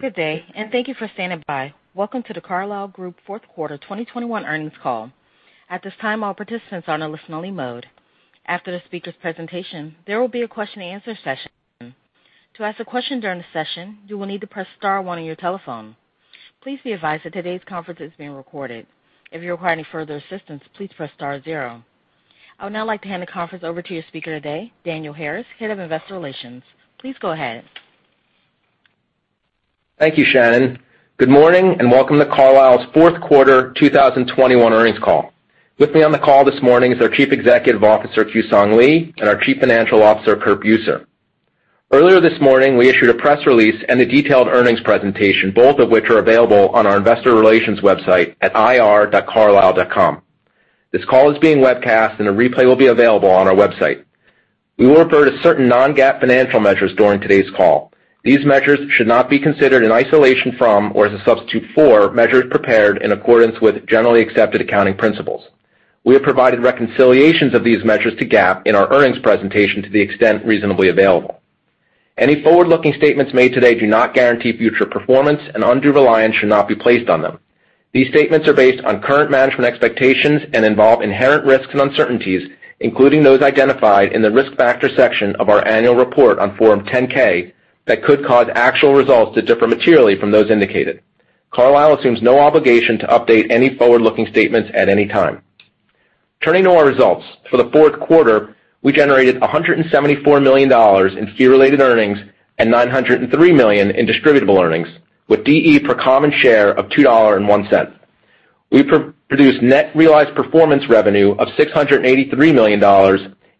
Good day, and thank you for standing by. Welcome to The Carlyle Group fourth quarter 2021 earnings call. At this time, all participants are in a listen-only mode. After the speaker's presentation, there will be a question and answer session. To ask a question during the session, you will need to press star one on your telephone. Please be advised that today's conference is being recorded. If you require any further assistance, please press star zero. I would now like to hand the conference over to your speaker today, Daniel Harris, Head of Investor Relations. Please go ahead. Thank you, Shannon. Good morning, and welcome to Carlyle's fourth quarter 2021 earnings call. With me on the call this morning is our Chief Executive Officer, Kewsong Lee, and our Chief Financial Officer, Curtis L. Buser. Earlier this morning, we issued a press release and a detailed earnings presentation, both of which are available on our investor relations website at ir.carlyle.com. This call is being webcast, and a replay will be available on our website. We will refer to certain Non-GAAP financial measures during today's call. These measures should not be considered in isolation from or as a substitute for measures prepared in accordance with generally accepted accounting principles. We have provided reconciliations of these measures to GAAP in our earnings presentation to the extent reasonably available. Any forward-looking statements made today do not guarantee future performance, and undue reliance should not be placed on them. These statements are based on current management expectations and involve inherent risks and uncertainties, including those identified in the Risk Factors section of our annual report on Form 10-K, that could cause actual results to differ materially from those indicated. Carlyle assumes no obligation to update any forward-looking statements at any time. Turning to our results. For the fourth quarter, we generated $174 million in fee-related earnings and $903 million in distributable earnings, with DE per common share of $2.01. We produced net realized performance revenues of $683 million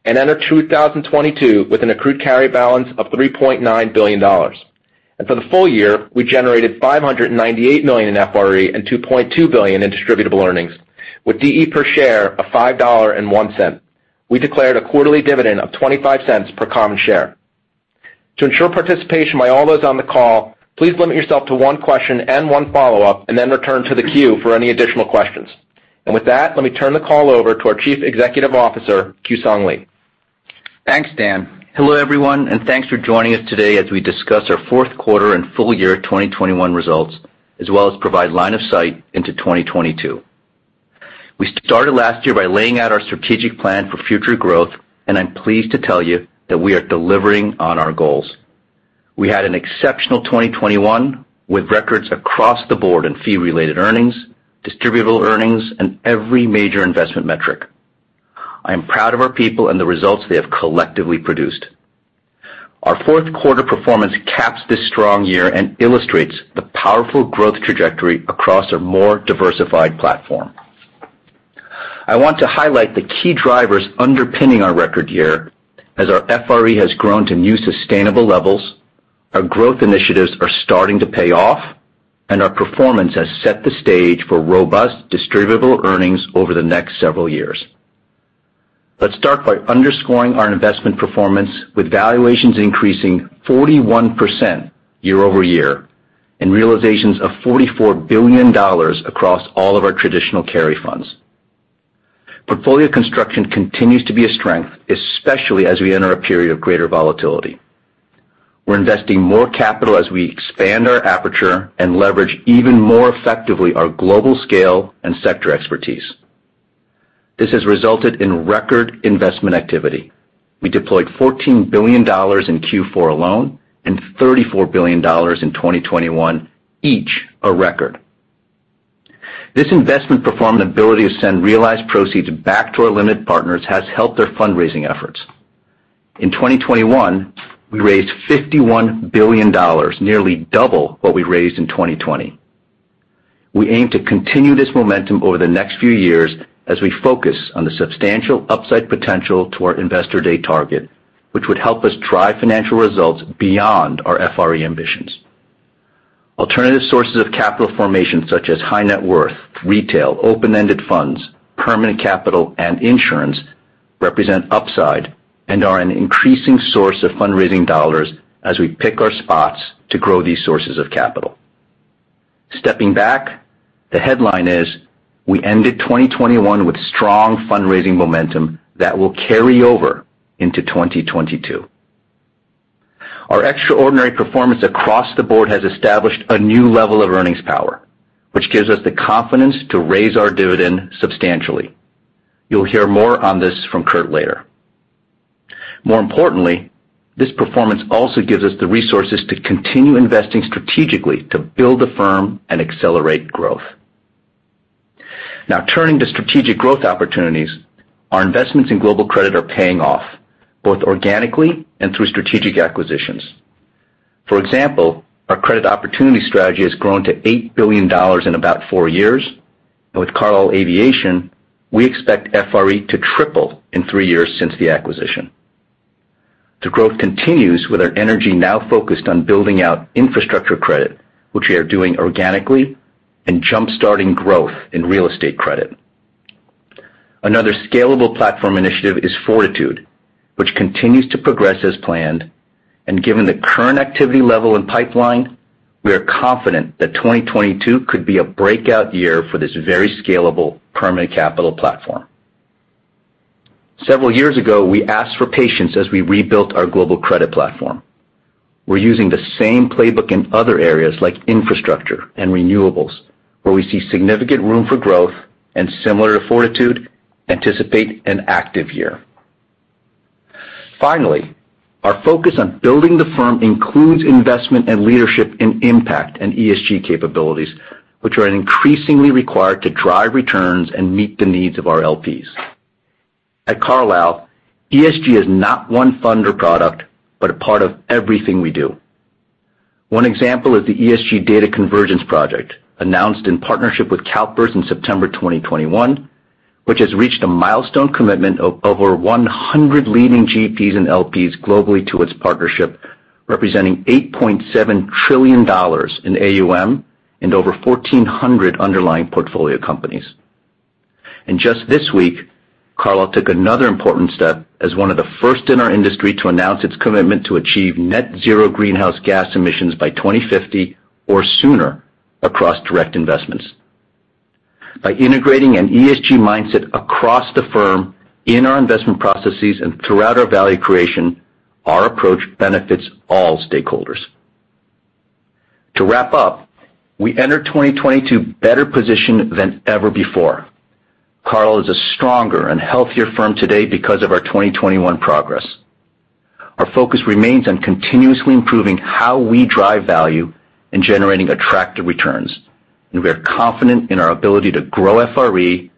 and entered 2022 with an accrued carry balance of $3.9 billion. For the full year, we generated $598 million in FRE and $2.2 billion in distributable earnings, with DE per share of $5.01. We declared a quarterly dividend of $0.25 per common share. To ensure participation by all those on the call, please limit yourself to one question and one follow-up, and then return to the queue for any additional questions. With that, let me turn the call over to our Chief Executive Officer, Kewsong Lee. Thanks, Dan. Hello, everyone, and thanks for joining us today as we discuss our fourth quarter and full year 2021 results, as well as provide line of sight into 2022. We started last year by laying out our strategic plan for future growth, and I'm pleased to tell you that we are delivering on our goals. We had an exceptional 2021 with records across the board in fee-related earnings, distributable earnings, and every major investment metric. I am proud of our people and the results they have collectively produced. Our fourth quarter performance caps this strong year and illustrates the powerful growth trajectory across a more diversified platform. I want to highlight the key drivers underpinning our record year as our FRE has grown to new sustainable levels, our growth initiatives are starting to pay off, and our performance has set the stage for robust distributable earnings over the next several years. Let's start by underscoring our investment performance with valuations increasing 41% year-over-year and realizations of $44 billion across all of our traditional carry funds. Portfolio construction continues to be a strength, especially as we enter a period of greater volatility. We're investing more capital as we expand our aperture and leverage even more effectively our global scale and sector expertise. This has resulted in record investment activity. We deployed $14 billion in Q4 alone and $34 billion in 2021, each a record. This investment performance ability to send realized proceeds back to our limited partners has helped their fundraising efforts. In 2021, we raised $51 billion, nearly double what we raised in 2020. We aim to continue this momentum over the next few years as we focus on the substantial upside potential to our investor day target, which would help us drive financial results beyond our FRE ambitions. Alternative sources of capital formation, such as high net worth, retail, open-ended funds, permanent capital, and insurance, represent upside and are an increasing source of fundraising dollars as we pick our spots to grow these sources of capital. Stepping back, the headline is. We ended 2021 with strong fundraising momentum that will carry over into 2022. Our extraordinary performance across the board has established a new level of earnings power, which gives us the confidence to raise our dividend substantially. You'll hear more on this from Curt later. More importantly, this performance also gives us the resources to continue investing strategically to build the firm and accelerate growth. Now, turning to strategic growth opportunities, our investments in global credit are paying off, both organically and through strategic acquisitions. For example, our credit opportunity strategy has grown to $8 billion in about four years. With Carlyle Aviation, we expect FRE to triple in three years since the acquisition. The growth continues with our energy now focused on building out infrastructure credit, which we are doing organically and jumpstarting growth in real estate credit. Another scalable platform initiative is Fortitude, which continues to progress as planned. Given the current activity level and pipeline, we are confident that 2022 could be a breakout year for this very scalable permanent capital platform. Several years ago, we asked for patience as we rebuilt our global credit platform. We're using the same playbook in other areas like infrastructure and renewables, where we see significant room for growth, and similar to Fortitude, anticipate an active year. Finally, our focus on building the firm includes investment and leadership in impact and ESG capabilities, which are increasingly required to drive returns and meet the needs of our LPs. At Carlyle, ESG is not one fund or product, but a part of everything we do. One example is the ESG Data Convergence Project, announced in partnership with CalPERS in September 2021, which has reached a milestone commitment of over 100 leading GPs and LPs globally to its partnership, representing $8.7 trillion in AUM and over 1,400 underlying portfolio companies. Just this week, Carlyle took another important step as one of the first in our industry to announce its commitment to achieve net zero greenhouse gas emissions by 2050 or sooner across direct investments. By integrating an ESG mindset across the firm in our investment processes and throughout our value creation, our approach benefits all stakeholders. To wrap up, we enter 2022 better positioned than ever before. Carlyle is a stronger and healthier firm today because of our 2021 progress. Our focus remains on continuously improving how we drive value in generating attractive returns, and we are confident in our ability to grow FRE,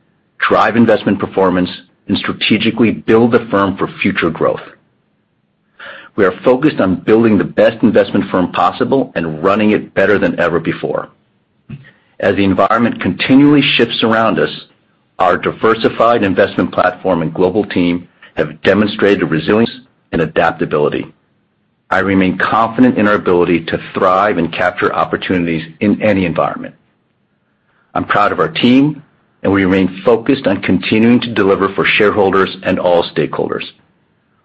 drive investment performance, and strategically build the firm for future growth. We are focused on building the best investment firm possible and running it better than ever before. As the environment continually shifts around us, our diversified investment platform and global team have demonstrated resilience and adaptability. I remain confident in our ability to thrive and capture opportunities in any environment. I'm proud of our team, and we remain focused on continuing to deliver for shareholders and all stakeholders.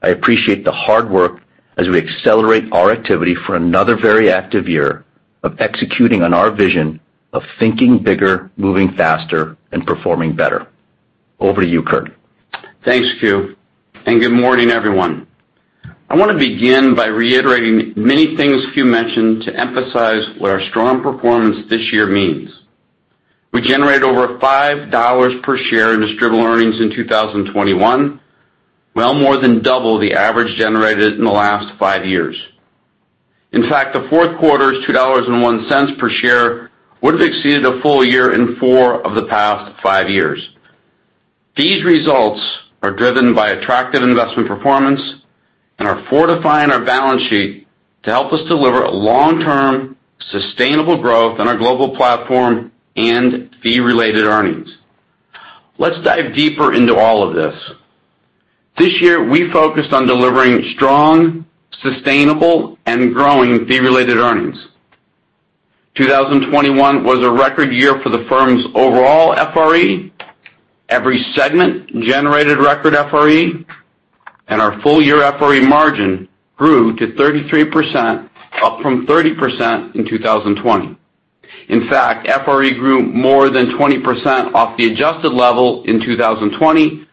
I appreciate the hard work as we accelerate our activity for another very active year of executing on our vision of thinking bigger, moving faster, and performing better. Over to you, Curtis L. Buser. Thanks, Kew, and good morning, everyone. I want to begin by reiterating many things Kew mentioned to emphasize what our strong performance this year means. We generated over $5 per share in distributable earnings in 2021, well more than double the average generated in the last five years. In fact, the fourth quarter's $2.01 per share would have exceeded a full year in four of the past five years. These results are driven by attractive investment performance and are fortifying our balance sheet to help us deliver a long-term, sustainable growth on our global platform and fee-related earnings. Let's dive deeper into all of this. This year, we focused on delivering strong, sustainable, and growing fee-related earnings. 2021 was a record year for the firm's overall FRE. Every segment generated record FRE, and our full-year FRE margin grew to 33%, up from 30% in 2020. In fact, FRE grew more than 20% off the adjusted level in 2020,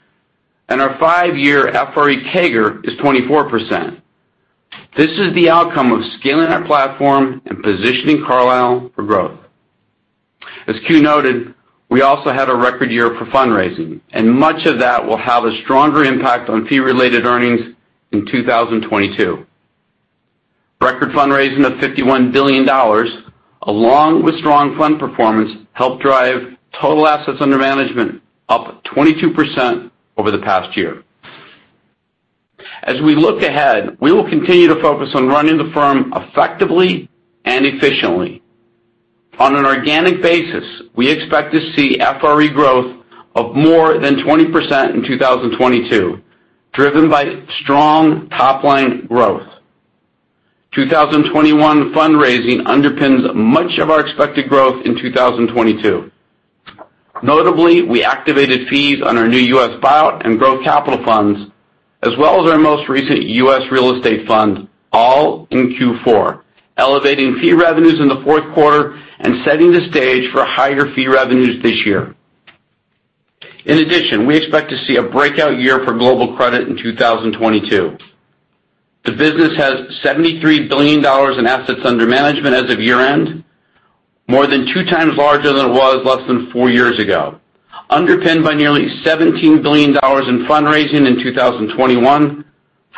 and our five-year FRE CAGR is 24%. This is the outcome of scaling our platform and positioning Carlyle for growth. As Kew noted, we also had a record year for fundraising, and much of that will have a stronger impact on fee-related earnings in 2022. Record fundraising of $51 billion, along with strong fund performance, helped drive total assets under management up 22% over the past year. As we look ahead, we will continue to focus on running the firm effectively and efficiently. On an organic basis, we expect to see FRE growth of more than 20% in 2022, driven by strong top-line growth. 2021 fundraising underpins much of our expected growth in 2022. Notably, we activated fees on our new U.S. buyout and growth capital funds, as well as our most recent U.S. real estate fund, all in Q4, elevating fee revenues in the fourth quarter and setting the stage for higher fee revenues this year. In addition, we expect to see a breakout year for global credit in 2022. The business has $73 billion in assets under management as of year-end, more than two times larger than it was less than four years ago, underpinned by nearly $17 billion in fundraising in 2021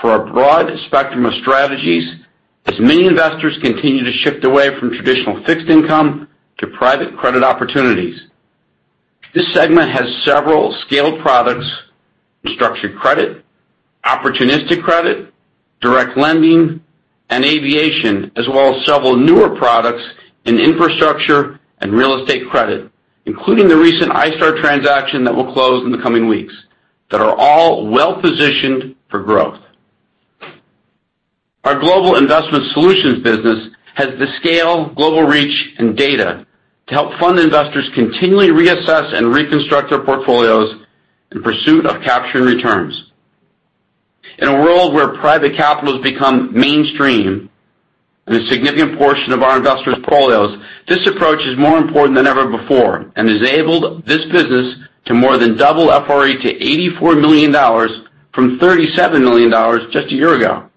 for a broad spectrum of strategies as many investors continue to shift away from traditional fixed income to private credit opportunities. This segment has several scaled products in structured credit, opportunistic credit, direct lending, and aviation, as well as several newer products in infrastructure and real estate credit, including the recent iStar transaction that will close in the coming weeks, that are all well-positioned for growth. Our global investment solutions business has the scale, global reach, and data to help fund investors continually reassess and reconstruct their portfolios in pursuit of capturing returns. In a world where private capital has become mainstream and a significant portion of our investors' portfolios, this approach is more important than ever before and has enabled this business to more than double FRE to $84 million from $37 million just a year ago.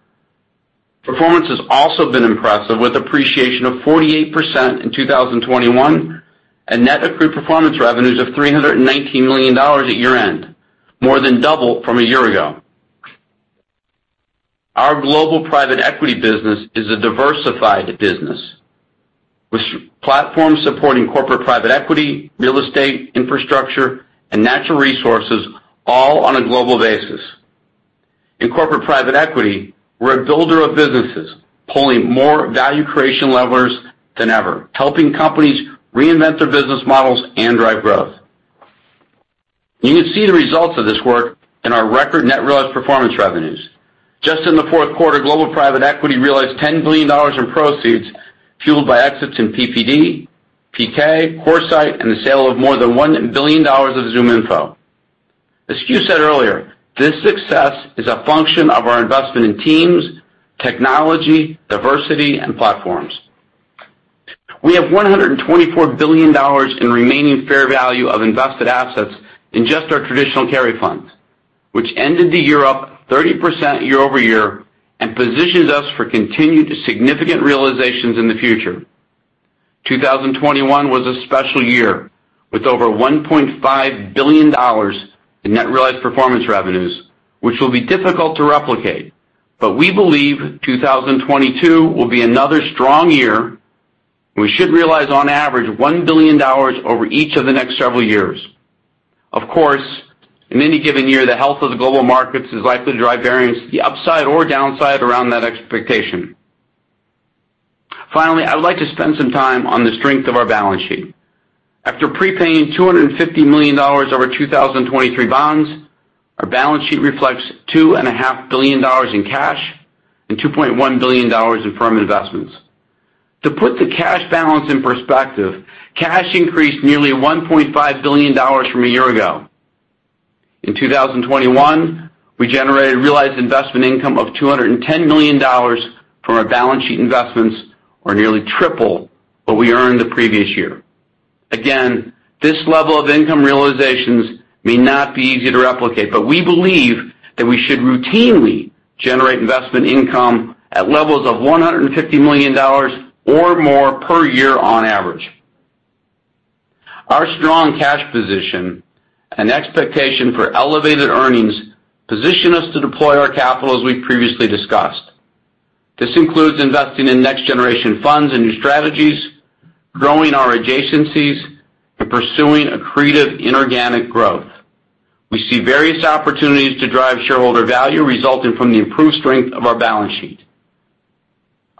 Performance has also been impressive, with appreciation of 48% in 2021, and Net Accrued Performance Revenues of $319 million at year-end, more than double from a year ago. Our Global Private Equity business is a diversified business, with platforms supporting Corporate Private Equity, real estate, infrastructure, and natural resources, all on a global basis. In Corporate Private Equity, we're a builder of businesses, pulling more value creation levers than ever, helping companies reinvent their business models and drive growth. You can see the results of this work in our record Net Realized Performance Revenues. Just in the fourth quarter, Global Private Equity realized $10 billion in proceeds, fueled by exits in PPD, PK, CoreSite, and the sale of more than $1 billion of ZoomInfo. As Q said earlier, this success is a function of our investment in teams, technology, diversity, and platforms. We have $124 billion in remaining fair value of invested assets in just our traditional carry funds, which ended the year up 30% year-over-year and positions us for continued significant realizations in the future. 2021 was a special year, with over $1.5 billion in Net Realized Performance Revenues, which will be difficult to replicate. We believe 2022 will be another strong year, and we should realize on average $1 billion over each of the next several years. Of course, in any given year, the health of the global markets is likely to drive variance to the upside or downside around that expectation. Finally, I would like to spend some time on the strength of our balance sheet. After prepaying $250 million over 2023 bonds, our balance sheet reflects $2.5 billion in cash and $2.1 billion in firm investments. To put the cash balance in perspective, cash increased nearly $1.5 billion from a year ago. In 2021, we generated realized investment income of $210 million from our balance sheet investments, or nearly triple what we earned the previous year. Again, this level of income realizations may not be easy to replicate, but we believe that we should routinely generate investment income at levels of $150 million or more per year on average. Our strong cash position and expectation for elevated earnings position us to deploy our capital as we previously discussed. This includes investing in next-generation funds and new strategies, growing our adjacencies, and pursuing accretive inorganic growth. We see various opportunities to drive shareholder value resulting from the improved strength of our balance sheet.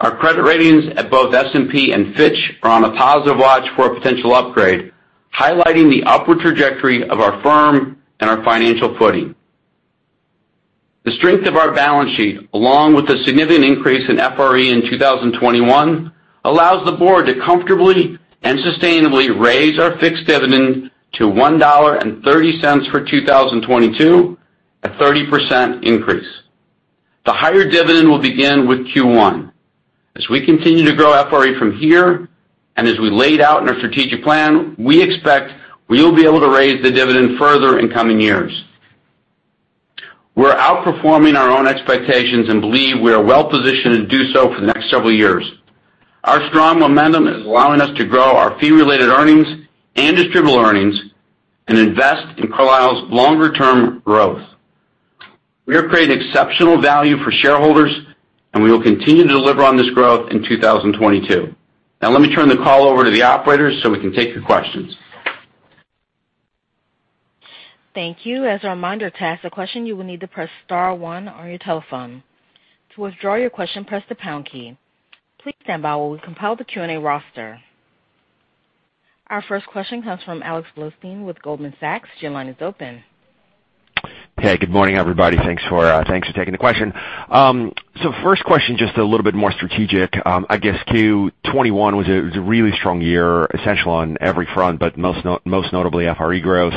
Our credit ratings at both S&P and Fitch are on a positive watch for a potential upgrade, highlighting the upward trajectory of our firm and our financial footing. The strength of our balance sheet, along with the significant increase in FRE in 2021, allows the board to comfortably and sustainably raise our fixed dividend to $1.30 for 2022, a 30% increase. The higher dividend will begin with Q1. As we continue to grow FRE from here, and as we laid out in our strategic plan, we expect we will be able to raise the dividend further in coming years. We're outperforming our own expectations and believe we are well-positioned to do so for the next several years. Our strong momentum is allowing us to grow our fee-related earnings and distributable earnings and invest in Carlyle's longer-term growth. We have created exceptional value for shareholders, and we will continue to deliver on this growth in 2022. Now let me turn the call over to the operator so we can take your questions. Thank you. As a reminder, to ask a question, you will need to press star one on your telephone. To withdraw your question, press the pound key. Please stand by while we compile the Q&A roster. Our first question comes from Alex Blostein with Goldman Sachs. Your line is open. Hey, good morning, everybody. Thanks for taking the question. So first question, just a little bit more strategic. I guess 2021 was a really strong year, exceptional on every front, but most notably FRE growth.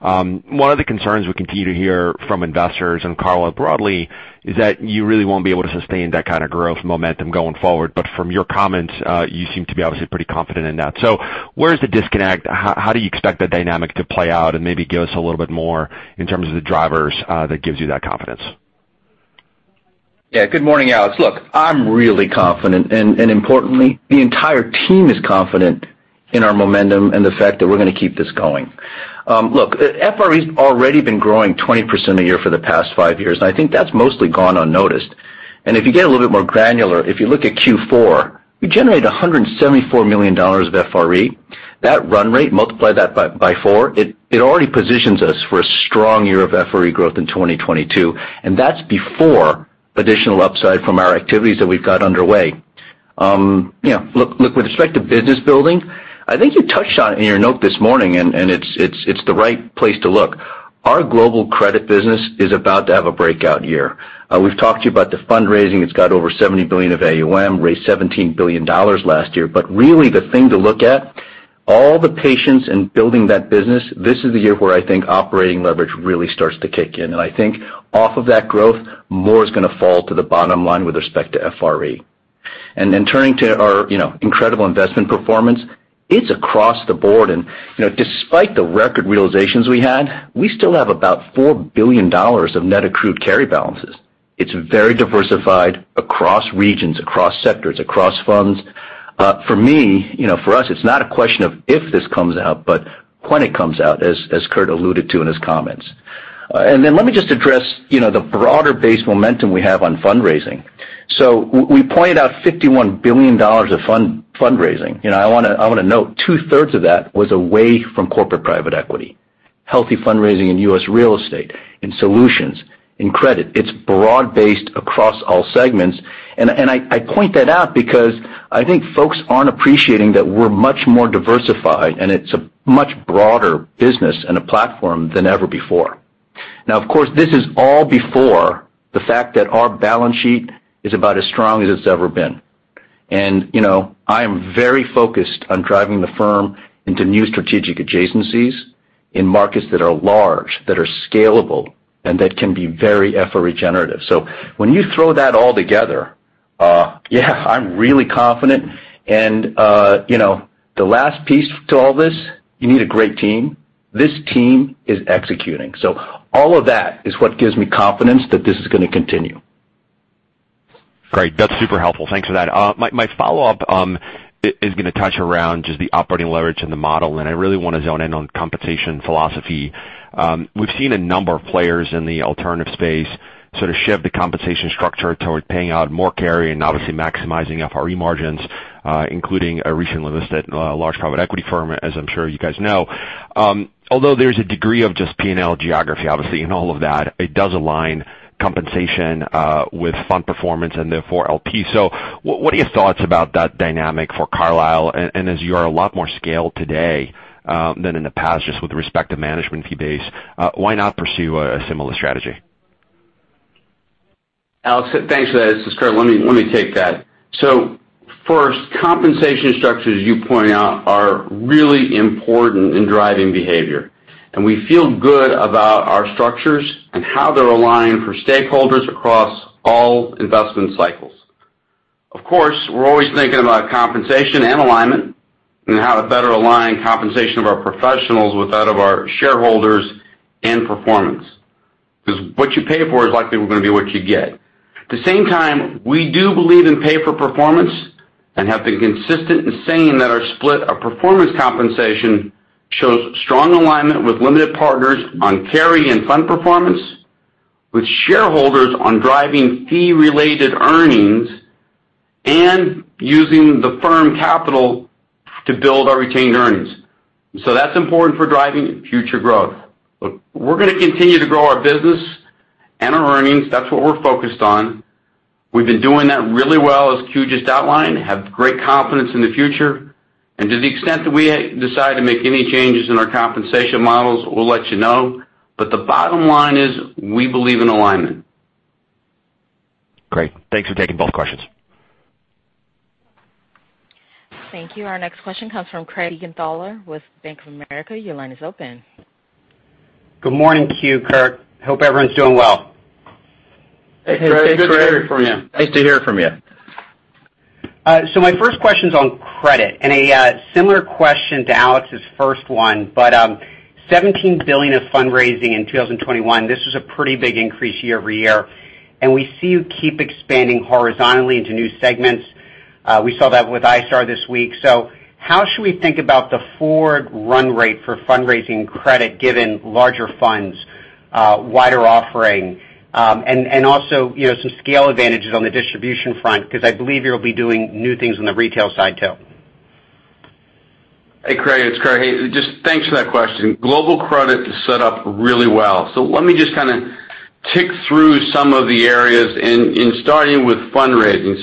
One of the concerns we continue to hear from investors and Carlyle broadly is that you really won't be able to sustain that kind of growth momentum going forward. From your comments, you seem to be obviously pretty confident in that. So where is the disconnect? How do you expect the dynamic to play out? Maybe give us a little bit more in terms of the drivers that gives you that confidence. Good morning, Alex. Look, I'm really confident, and importantly, the entire team is confident in our momentum and the fact that we're gonna keep this going. Look, the FRE's already been growing 20% a year for the past 5 years. I think that's mostly gone unnoticed. If you get a little bit more granular, if you look at Q4, we generated $174 million of FRE. That run rate, multiply that by four, it already positions us for a strong year of FRE growth in 2022, and that's before additional upside from our activities that we've got underway. You know, look, with respect to business building, I think you touched on it in your note this morning and it's the right place to look. Our global credit business is about to have a breakout year. We've talked to you about the fundraising. It's got over $70 billion of AUM, raised $17 billion last year. Really, the thing to look at, all the patience in building that business, this is the year where I think operating leverage really starts to kick in. I think off of that growth, more is gonna fall to the bottom line with respect to FRE. Turning to our, you know, incredible investment performance, it's across the board. You know, despite the record realizations we had, we still have about $4 billion of net accrued carry balances. It's very diversified across regions, across sectors, across funds. For me, you know, for us, it's not a question of if this comes out, but when it comes out, as Kurt alluded to in his comments. Let me just address, you know, the broader-based momentum we have on fundraising. We pointed out $51 billion of fund fundraising. You know, I wanna note two-thirds of that was away from corporate private equity. Healthy fundraising in U.S. real estate, in solutions, in credit. It's broad-based across all segments. I point that out because I think folks aren't appreciating that we're much more diversified, and it's a much broader business and a platform than ever before. Now, of course, this is all before the fact that our balance sheet is about as strong as it's ever been. You know, I am very focused on driving the firm into new strategic adjacencies in markets that are large, that are scalable, and that can be very FRE generative. When you throw that all together, yeah, I'm really confident. You know, the last piece to all this, you need a great team. This team is executing. All of that is what gives me confidence that this is gonna continue. Great. That's super helpful. Thanks for that. My follow-up is gonna touch around just the operating leverage and the model, and I really wanna zone in on compensation philosophy. We've seen a number of players in the alternative space sort of shift the compensation structure toward paying out more carry and obviously maximizing FRE margins, including a recently listed large private equity firm, as I'm sure you guys know. Although there's a degree of just P&L geography, obviously, in all of that, it does align compensation with fund performance and therefore LP. What are your thoughts about that dynamic for Carlyle? As you are a lot more scaled today than in the past just with respect to management fee base, why not pursue a similar strategy? Alex Blostein, thanks for that. It's Curtis L. Buser. Let me take that. First, compensation structures, as you point out, are really important in driving behavior, and we feel good about our structures and how they're aligned for stakeholders across all investment cycles. Of course, we're always thinking about compensation and alignment and how to better align compensation of our professionals with that of our shareholders and performance, 'cause what you pay for is likely going to be what you get. At the same time, we do believe in pay for performance and have been consistent in saying that our split of performance compensation shows strong alignment with limited partners on carry and fund performance, with shareholders on driving fee-related earnings and using the firm capital to build our retained earnings. That's important for driving future growth. Look, we're gonna continue to grow our business and our earnings. That's what we're focused on. We've been doing that really well, as Q just outlined, we have great confidence in the future. To the extent that we decide to make any changes in our compensation models, we'll let you know. The bottom line is, we believe in alignment. Great. Thanks for taking both questions. Thank you. Our next question comes from Craig Siegenthaler with Bank of America. Your line is open. Good morning, Q, Curtis. Hope everyone's doing well. Hey, Craig. Good to hear from you. Nice to hear from you. My first question's on credit and a similar question to Alex's first one. $17 billion of fundraising in 2021, this was a pretty big increase year-over-year, and we see you keep expanding horizontally into new segments. We saw that with iStar this week. How should we think about the forward run rate for fundraising credit given larger funds, wider offering, and also, you know, some scale advantages on the distribution front? 'Cause I believe you'll be doing new things on the retail side too. Hey, Craig, it's Curtis. Hey, just thanks for that question. Global Credit is set up really well. Let me just kinda tick through some of the areas and starting with fundraising.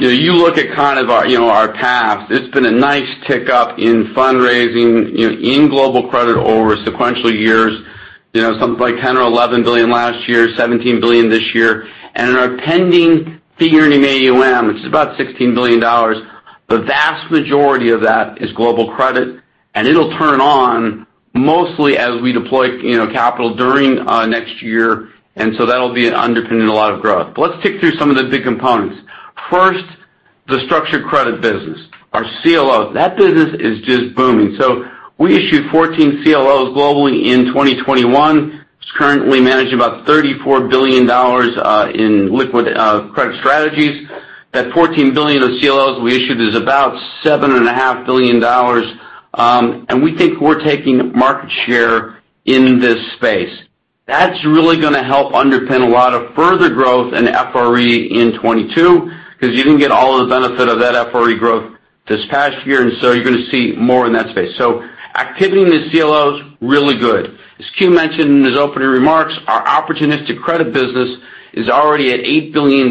You know, you look at kind of our, you know, our path. It's been a nice tick-up in fundraising, you know, in Global Credit over sequential years. You know, something like $10 billion or $11 billion last year, $17 billion this year. In our pending figure in AUM, which is about $16 billion, the vast majority of that is Global Credit, and it'll turn on mostly as we deploy, you know, capital during next year. That'll be underpinning a lot of growth. Let's tick through some of the big components. First, the structured credit business, our CLOs. That business is just booming. We issued 14 CLOs globally in 2021. It's currently managing about $34 billion in liquid credit strategies. That $14 billion of CLOs we issued is about $7.5 billion, and we think we're taking market share in this space. That's really gonna help underpin a lot of further growth in FRE in 2022, 'cause you didn't get all of the benefit of that FRE growth this past year, and so you're gonna see more in that space. Activity in the CLOs, really good. As Q mentioned in his opening remarks, our opportunistic credit business is already at $8 billion,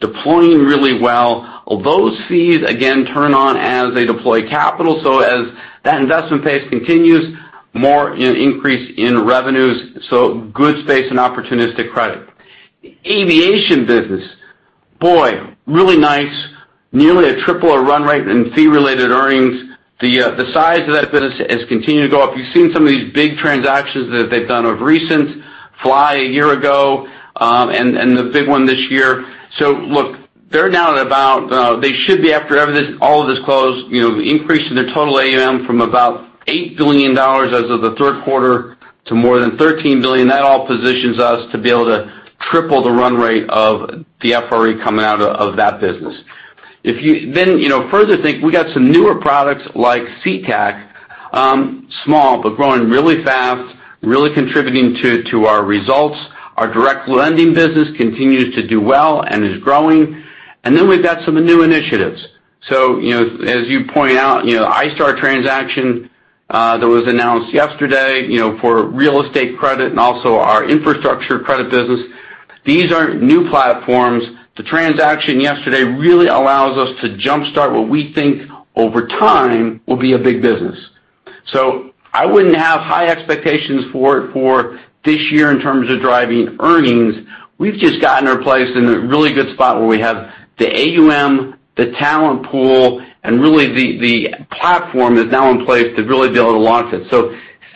deploying really well. Those fees, again, turn on as they deploy capital, so as that investment pace continues, more in increase in revenues, so good space in opportunistic credit. Aviation business. Boy, really nice. Nearly a triple our run rate in fee-related earnings. The size of that business has continued to go up. You've seen some of these big transactions that they've done recently, FLY a year ago, and the big one this year. Look, they're now at about they should be after all of this closed, you know, increase in their total AUM from about $8 billion as of the third quarter to more than $13 billion. That all positions us to be able to triple the run rate of the FRE coming out of that business. You know, further think we got some newer products like CTAC, small but growing really fast, really contributing to our results. Our direct lending business continues to do well and is growing. We've got some new initiatives. You know, as you point out, you know, iStar transaction that was announced yesterday, you know, for real estate credit and also our infrastructure credit business. These are new platforms. The transaction yesterday really allows us to jump-start what we think over time will be a big business. I wouldn't have high expectations for it for this year in terms of driving earnings. We've just gotten our place in a really good spot where we have the AUM, the talent pool, and really the platform is now in place to really be able to launch it.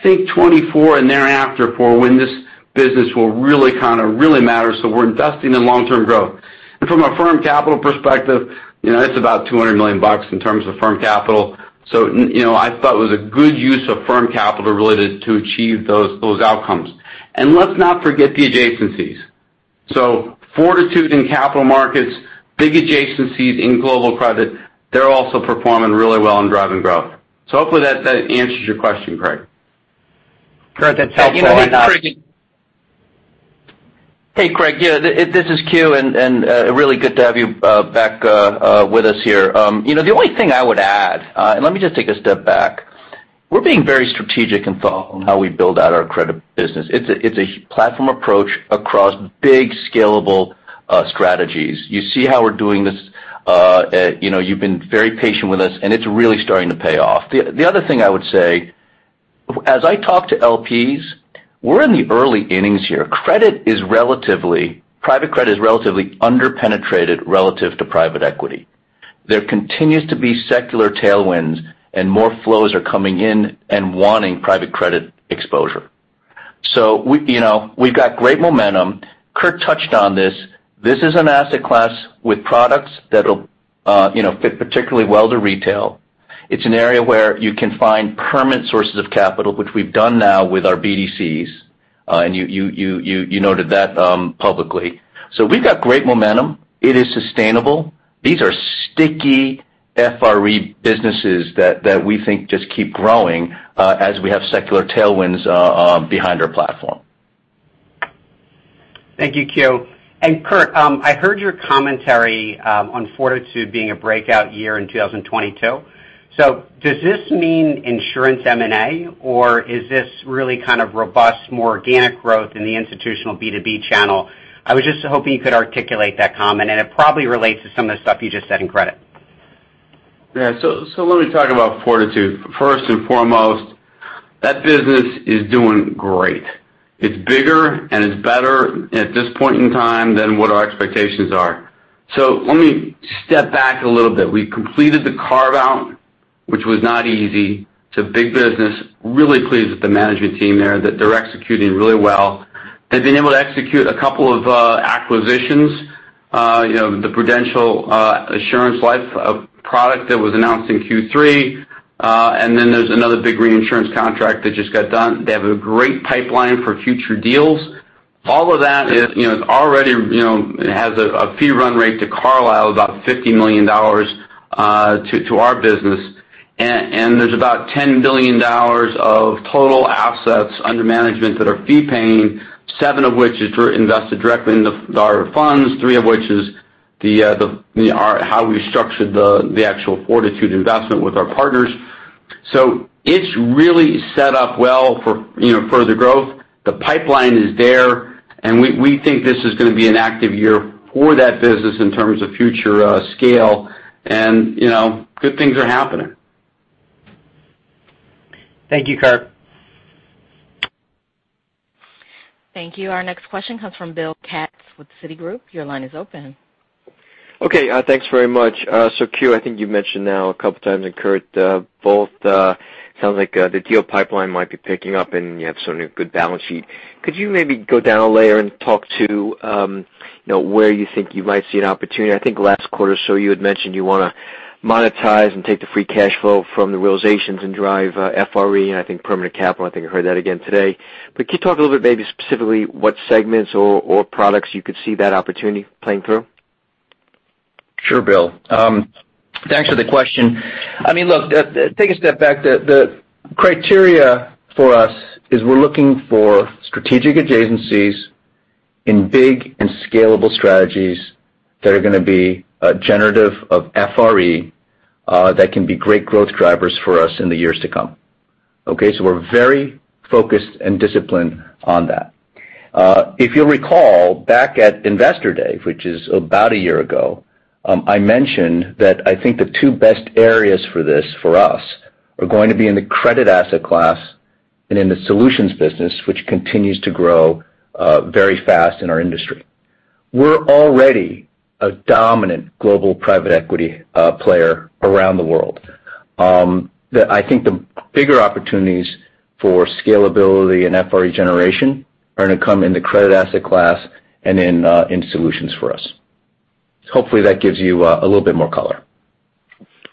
Think 2024 and thereafter for when this business will really kinda really matter, so we're investing in long-term growth. From a firm capital perspective, you know, that's about $200 million in terms of firm capital. You know, I thought it was a good use of firm capital related to achieve those outcomes. Let's not forget the adjacencies. Fortitude in capital markets, big adjacencies in global credit, they're also performing really well in driving growth. Hopefully that answers your question, Craig. Curt, that's helpful. I'll just- Hey, Craig. Yeah, this is Kew, and really good to have you back with us here. You know, the only thing I would add, and let me just take a step back. We're being very strategic in thought on how we build out our credit business. It's a platform approach across big scalable strategies. You see how we're doing this, you know, you've been very patient with us, and it's really starting to pay off. The other thing I would say, as I talk to LPs, we're in the early innings here. Private credit is relatively underpenetrated relative to private equity. There continues to be secular tailwinds, and more flows are coming in and wanting private credit exposure. You know, we've got great momentum. Kurt touched on this. This is an asset class with products that'll, you know, fit particularly well to retail. It's an area where you can find permanent sources of capital, which we've done now with our BDCs, and you noted that, publicly. We've got great momentum. It is sustainable. These are sticky FRE businesses that we think just keep growing, as we have secular tailwinds behind our platform. Thank you, Q. Curtis, I heard your commentary on Fortitude being a breakout year in 2022. Does this mean insurance M&A or is this really kind of robust, more organic growth in the institutional B2B channel? I was just hoping you could articulate that comment, and it probably relates to some of the stuff you just said in credit. Yeah. Let me talk about Fortitude. First and foremost, that business is doing great. It's bigger and it's better at this point in time than what our expectations are. Let me step back a little bit. We completed the carve-out, which was not easy. It's a big business. Really pleased with the management team there, that they're executing really well. They've been able to execute a couple of acquisitions, you know, the Prudential Assurance Life product that was announced in Q3. And then there's another big reinsurance contract that just got done. They have a great pipeline for future deals. All of that is, you know, already, you know, has a fee run rate to Carlyle about $50 million to our business. There's about $10 billion of total assets under management that are fee paying, seven of which is invested directly into our funds, three of which is how we structured the actual Fortitude investment with our partners. It's really set up well for, you know, further growth. The pipeline is there, and we think this is gonna be an active year for that business in terms of future scale and, you know, good things are happening. Thank you, Curtis. Thank you. Our next question comes from Bill Katz with Citigroup. Your line is open. Okay. Thanks very much. So, you, I think you've mentioned now a couple times, and Curtis, both, sounds like the deal pipeline might be picking up and you have sort of a good balance sheet. Could you maybe go down a layer and talk about, you know, where you think you might see an opportunity? I think last quarter or so you had mentioned you wanna monetize and take the free cash flow from the realizations and drive FRE and I think permanent capital. I think I heard that again today. Could you talk a little bit maybe specifically what segments or products you could see that opportunity playing through? Sure, Bill. Thanks for the question. I mean, look, taking a step back, the criteria for us is we're looking for strategic adjacencies in big and scalable strategies that are gonna be generative of FRE, that can be great growth drivers for us in the years to come. Okay? We're very focused and disciplined on that. If you'll recall back at Investor Day, which is about a year ago, I mentioned that I think the two best areas for this, for us, are going to be in the credit asset class and in the solutions business, which continues to grow very fast in our industry. We're already a dominant global private equity player around the world. I think the bigger opportunities for scalability and FRE generation are gonna come in the credit asset class and in solutions for us. Hopefully that gives you a little bit more color.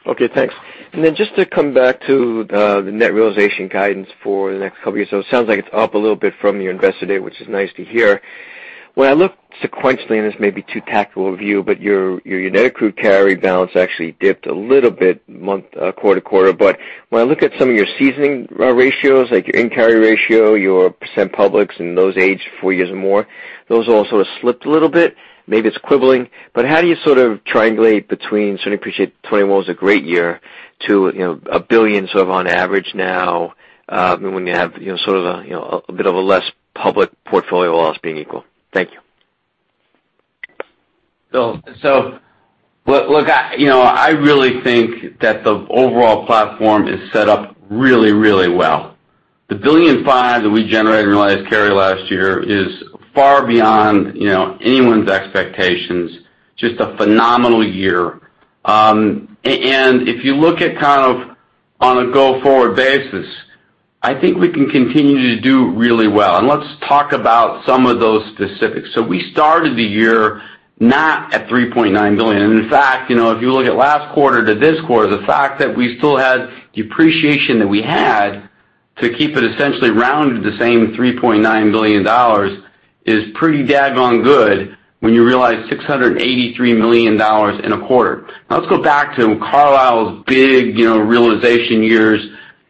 Okay, thanks. Then just to come back to the net realization guidance for the next couple of years. It sounds like it's up a little bit from your investor day, which is nice to hear. When I look sequentially, and this may be too tactical a view, but your net accrued carry balance actually dipped a little bit quarter to quarter. When I look at some of your seasoning ratios, like your in-carry ratio, your percent publics and those aged four years or more, those also have slipped a little bit. Maybe it's quibbling, but how do you sort of triangulate between, certainly appreciate 2021 was a great year to, you know, $1 billion sort of on average now, when you have, you know, sort of a, you know, a bit of a less public portfolio loss being equal? Thank you. Look, you know, I really think that the overall platform is set up really, really well. The $1.5 billion that we generated in realized carry last year is far beyond, you know, anyone's expectations. Just a phenomenal year. If you look at kind of on a go-forward basis, I think we can continue to do really well. Let's talk about some of those specifics. We started the year not at $3.9 billion. In fact, you know, if you look at last quarter to this quarter, the fact that we still had the appreciation that we had to keep it essentially rounded the same $3.9 billion is pretty dang good when you realize $683 million in a quarter. Now let's go back to Carlyle's big, you know, realization years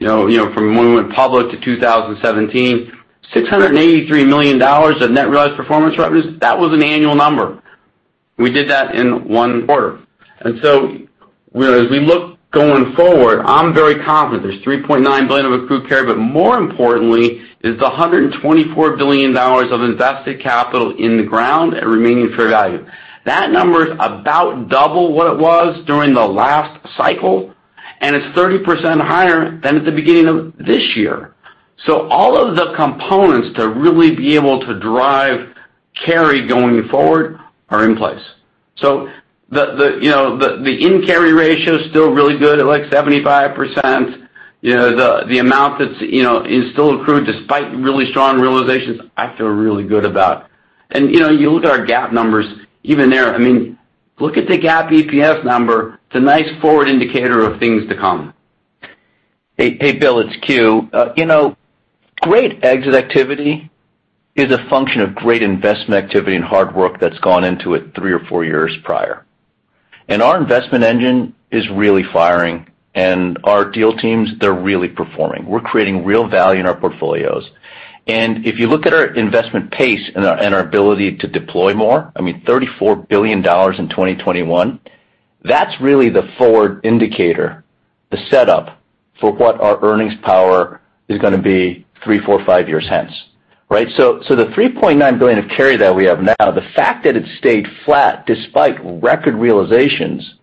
from when we went public to 2017. $683 million of net realized performance revenues, that was an annual number. We did that in one quarter. Whereas we look going forward, I'm very confident there's $3.9 billion of accrued carry, but more importantly, there's $124 billion of invested capital in the ground at remaining fair value. That number is about double what it was during the last cycle, and it's 30% higher than at the beginning of this year. All of the components to really be able to drive carry going forward are in place. The you know the in-carry ratio is still really good at like 75%. You know, the amount that's still accrued despite really strong realizations, I feel really good about. You know, you look at our GAAP numbers, even there, I mean, look at the GAAP EPS number. It's a nice forward indicator of things to come. Hey Bill, it's Q. You know, great exit activity is a function of great investment activity and hard work that's gone into it three or four years prior. Our investment engine is really firing. Our deal teams, they're really performing. We're creating real value in our portfolios. If you look at our investment pace and our ability to deploy more, I mean, $34 billion in 2021, that's really the forward indicator, the setup for what our earnings power is gonna be 3, 4, 5 years hence. Right? The $3.9 billion of carry that we have now, the fact that it stayed flat despite record realizations,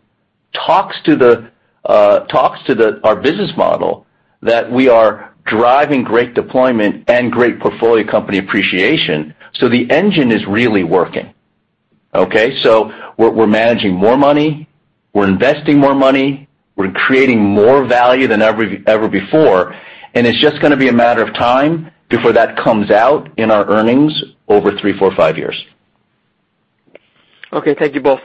talks to our business model that we are driving great deployment and great portfolio company appreciation. The engine is really working. Okay. We're managing more money, we're investing more money, we're creating more value than ever before, and it's just gonna be a matter of time before that comes out in our earnings over three, four, five years. Okay, thank you both.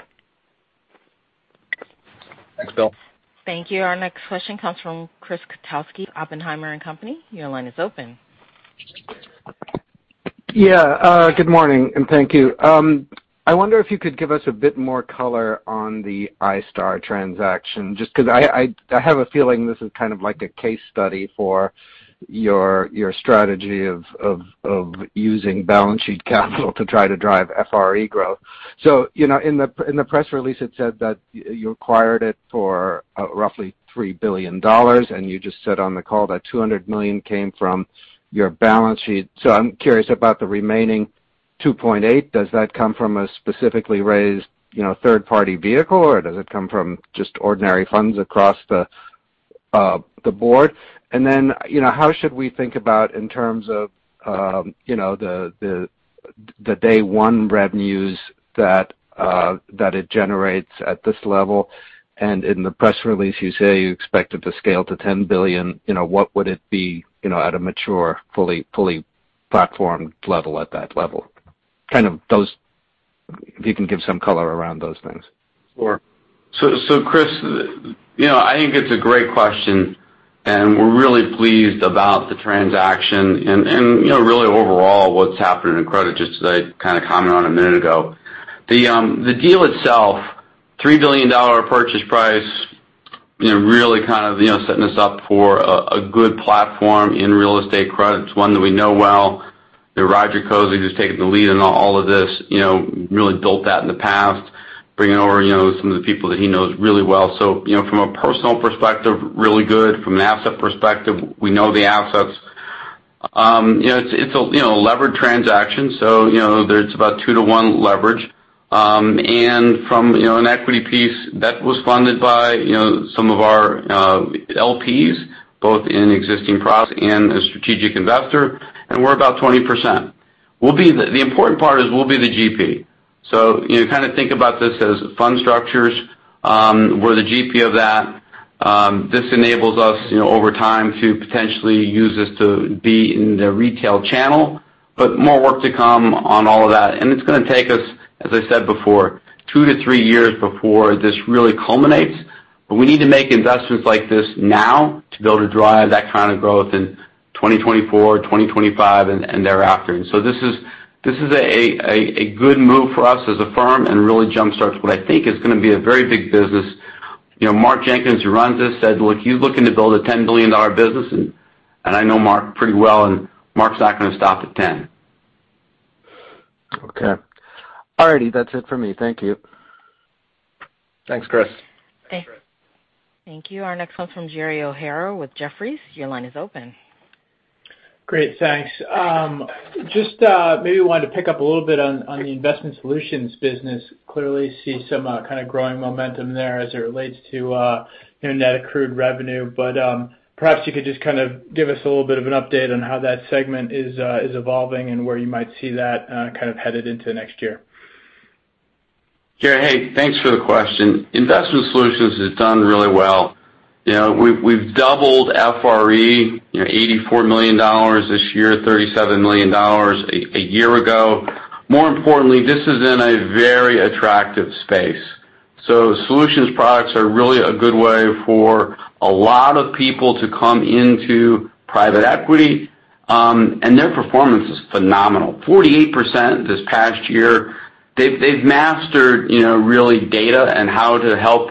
Thanks, Bill. Thank you. Our next question comes from Chris Kotowski, Oppenheimer & Co. Inc. Your line is open. Yeah, good morning, and thank you. I wonder if you could give us a bit more color on the iStar transaction, just 'cause I have a feeling this is kind of like a case study for your strategy of using balance sheet capital to try to drive FRE growth. You know, in the press release, it said that you acquired it for roughly $3 billion, and you just said on the call that $200 million came from your balance sheet. I'm curious about the remaining $2.8 billion. Does that come from a specifically raised third-party vehicle, or does it come from just ordinary funds across the board? Then, you know, how should we think about in terms of, you know, the day one revenues that it generates at this level? In the press release, you say you expect it to scale to $10 billion. You know, what would it be, you know, at a mature, fully platformed level at that level? If you can give some color around those things. Sure. Chris, you know, I think it's a great question, and we're really pleased about the transaction and, you know, really overall what's happening in credit, just as I kind of commented on a minute ago. The deal itself, $3 billion purchase price, you know, really kind of setting us up for a good platform in real estate credit. It's one that we know well. Roger Cozzi, who's taking the lead in all of this, you know, really built that in the past, bringing over, you know, some of the people that he knows really well. You know, from a personal perspective, really good. From an asset perspective, we know the assets. You know, it's a levered transaction, so you know, there's about two to one leverage from you know, an equity piece that was funded by you know, some of our LPs, both in existing products and a strategic investor, and we're about 20%. The important part is we'll be the GP. You kind of think about this as fund structures, we're the GP of that. This enables us, you know, over time to potentially use this to be in the retail channel, but more work to come on all of that. It's gonna take us, as I said before, two to three years before this really culminates. We need to make investments like this now to be able to drive that kind of growth in 2024, 2025, and thereafter. This is a good move for us as a firm and really jump-starts what I think is gonna be a very big business. You know, Mark Jenkins, who runs this, said, look, he's looking to build a $10 billion business, and I know Mark pretty well, and Mark's not gonna stop at ten. Okay. All righty, that's it for me. Thank you. Thanks, Chris. Thanks. Thank you. Our next one's from Gerald O'Hara with Jefferies. Your line is open. Great. Thanks. Just maybe wanted to pick up a little bit on the Investment Solutions business. Clearly see some kind of growing momentum there as it relates to you know, net accrued carry. Perhaps you could just kind of give us a little bit of an update on how that segment is evolving and where you might see that kind of headed into next year. Jerry, hey, thanks for the question. Investment Solutions has done really well. You know, we've doubled FRE, you know, $84 million this year, $37 million a year ago. More importantly, this is in a very attractive space. Solutions products are really a good way for a lot of people to come into private equity, and their performance is phenomenal. 48% this past year. They've mastered, you know, really data and how to help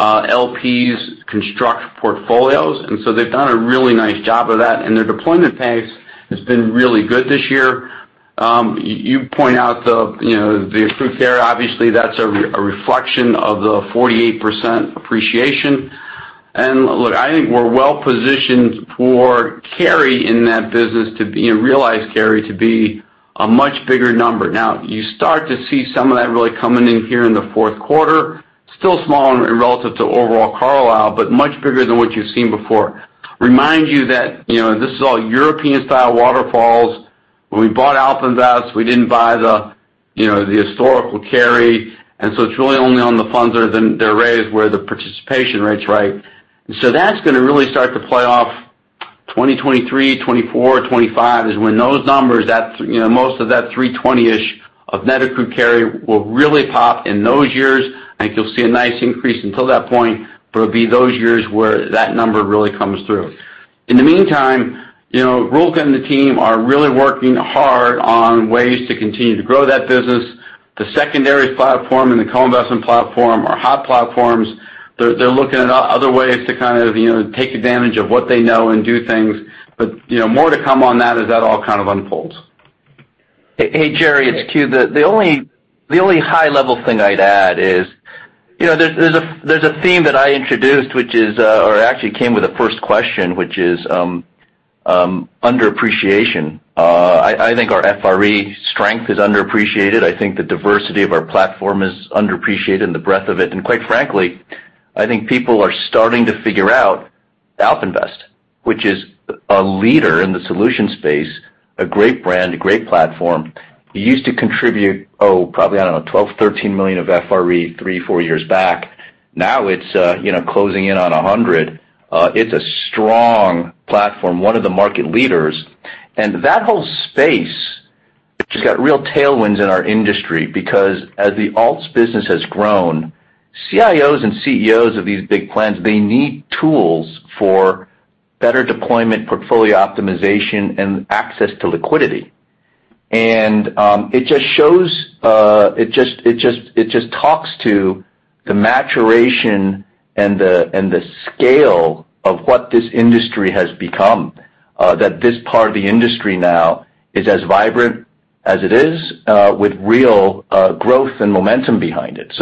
LPs construct portfolios, and so they've done a really nice job of that. Their deployment pace has been really good this year. You point out the, you know, the accrued carry, obviously, that's a reflection of the 48% appreciation. Look, I think we're well-positioned for carry in that business to be a realized carry to be a much bigger number. Now, you start to see some of that really coming in here in the fourth quarter, still small and relative to overall Carlyle, but much bigger than what you've seen before. Remind you that, you know, this is all European-style waterfalls. When we bought AlpInvest, we didn't buy the, you know, the historical carry, and so it's really only on the funds that have been raised where the participation rate's right. That's gonna really start to play off 2023, 2024, 2025 is when those numbers, that, you know, most of that 320-ish of net accrued carry will really pop in those years, and you'll see a nice increase until that point, but it'll be those years where that number really comes through. In the meantime, you know, Ruulke and the team are really working hard on ways to continue to grow that business. The secondary platform and the co-investment platform are hot platforms. They're looking at other ways to kind of, you know, take advantage of what they know and do things. You know, more to come on that as that all kind of unfolds. Hey, Jerry, it's Kew. The only high-level thing I'd add is, you know, there's a theme that I introduced, which actually came with the first question, which is underappreciation. I think our FRE strength is underappreciated. I think the diversity of our platform is underappreciated and the breadth of it. Quite frankly, I think people are starting to figure out AlpInvest, which is a leader in the solution space, a great brand, a great platform. It used to contribute, oh, probably, I don't know, $12-13 million of FRE three to four years back. Now it's closing in on $100 million. It's a strong platform, one of the market leaders. That whole space, which has got real tailwinds in our industry because as the alts business has grown, CIOs and CEOs of these big plans, they need tools for better deployment, portfolio optimization, and access to liquidity. It just shows, it just talks to the maturation and the scale of what this industry has become, that this part of the industry now is as vibrant as it is, with real growth and momentum behind it.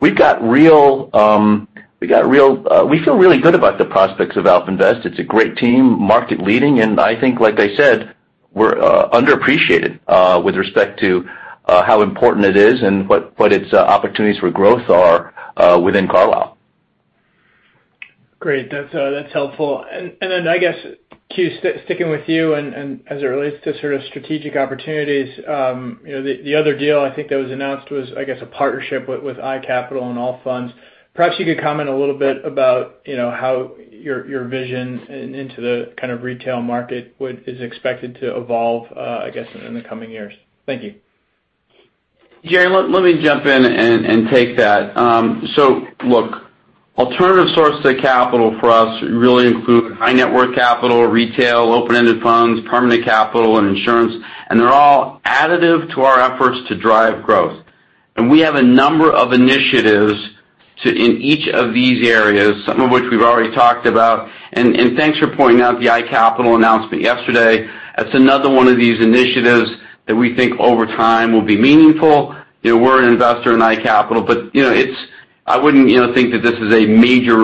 We feel really good about the prospects of AlpInvest. It's a great team, market-leading, and I think, like I said, we're underappreciated, with respect to, how important it is and what its opportunities for growth are, within Carlyle. Great. That's helpful. Then I guess, Q, sticking with you and as it relates to sort of strategic opportunities, the other deal I think that was announced was, I guess, a partnership with iCapital and Allfunds. Perhaps you could comment a little bit about how your vision into the kind of retail market is expected to evolve, I guess, in the coming years. Thank you. Jerry, let me jump in and take that. Look, alternative source to capital for us really include high net worth capital, retail, open-ended funds, permanent capital, and insurance, and they're all additive to our efforts to drive growth. We have a number of initiatives in each of these areas, some of which we've already talked about. Thanks for pointing out the iCapital announcement yesterday. That's another one of these initiatives that we think over time will be meaningful. You know, we're an investor in iCapital, but you know, it's- I wouldn't, you know, think that this is a major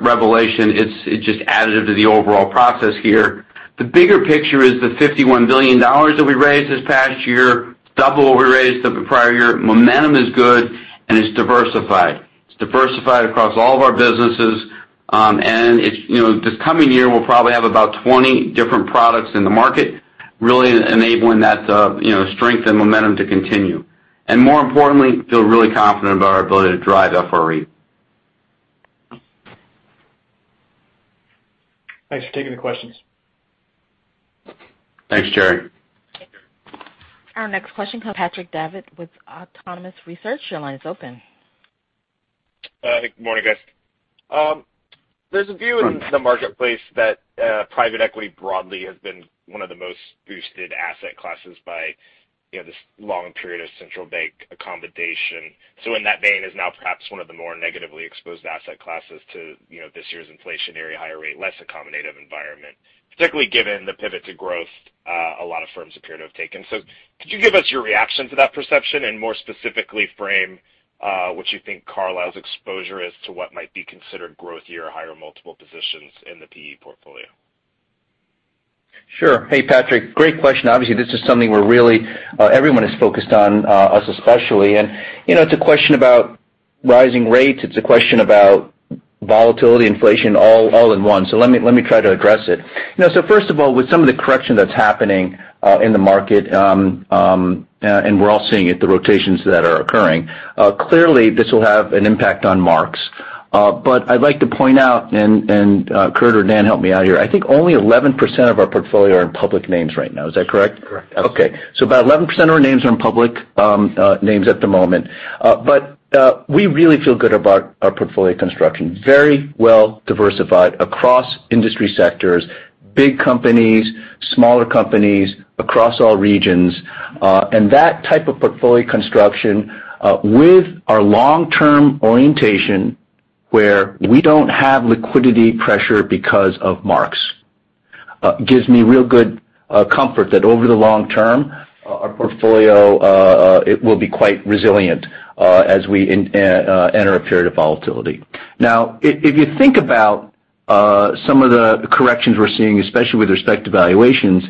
revelation. It's just additive to the overall process here. The bigger picture is the $51 billion that we raised this past year, double what we raised the prior year. Momentum is good, and it's diversified. It's diversified across all of our businesses, and you know, this coming year, we'll probably have about 20 different products in the market, really enabling that, you know, strength and momentum to continue. More importantly, we feel really confident about our ability to drive FRE. Thanks for taking the questions. Thanks, Jerry. Our next question comes from Patrick Davitt with Autonomous Research. Your line is open. Good morning, guys. There's a view in the marketplace that private equity broadly has been one of the most boosted asset classes by, you know, this long period of central bank accommodation. In that vein is now perhaps one of the more negatively exposed asset classes to, you know, this year's inflationary higher rate, less accommodative environment, particularly given the pivot to growth, a lot of firms appear to have taken. Could you give us your reaction to that perception and more specifically frame what you think Carlyle's exposure is to what might be considered growthier or higher multiple positions in the PE portfolio? Sure. Hey, Patrick, great question. Obviously, this is something we're really everyone is focused on, us especially. You know, it's a question about rising rates. It's a question about volatility, inflation, all in one. Let me try to address it. You know, first of all, with some of the correction that's happening in the market, and we're all seeing it, the rotations that are occurring, clearly this will have an impact on marks. But I'd like to point out, Curtis or Daniel, help me out here. I think only 11% of our portfolio are in public names right now. Is that correct? That's correct. Okay. About 11% of our names are in public names at the moment. We really feel good about our portfolio construction. Very well diversified across industry sectors, big companies, smaller companies across all regions, and that type of portfolio construction with our long-term orientation, where we don't have liquidity pressure because of marks, gives me real good comfort that over the long term, our portfolio it will be quite resilient as we enter a period of volatility. Now if you think about some of the corrections we're seeing, especially with respect to valuations,